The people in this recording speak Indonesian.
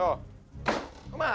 mau turun mau masuk